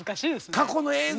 過去の映像